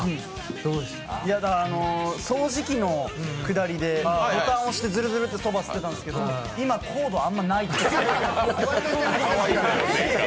掃除機のくだりでボタン押してずるずるってそばを吸ってたんですけど今、コードあんまりないです。